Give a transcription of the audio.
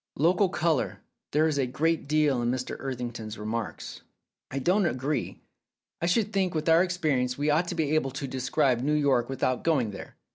"Local colour. There is a great deal in Mr. Etherington's remarks." "I don't agree. I should think with our experi ence we ought to be able to describe New York with out going there.